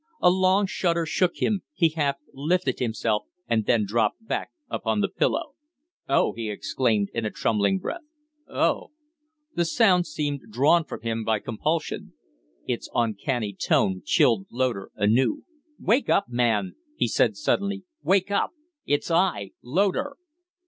A long shudder shook him; he half lifted himself and then dropped back upon the pillow. "Oh!" he exclaimed, in a trembling breath. "Oh!" The sound seemed drawn from him by compulsion. Its uncanny tone chilled Loder anew. "Wake up, man!" he said, suddenly. "Wake up! It's I Loder."